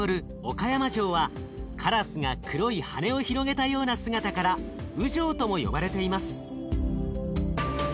岡山城はカラスが黒い羽を広げたような姿から烏城とも呼ばれています。